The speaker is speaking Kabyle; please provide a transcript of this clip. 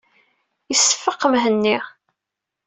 Iseffeq Mhenni.